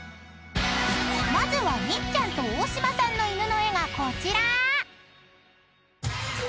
［まずはみっちゃんと大島さんの犬の絵がこちら］